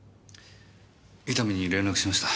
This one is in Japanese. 伊丹に連絡しました。